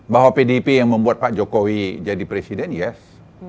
bahwa pdip yang membuat pak jokowi jadi presiden yes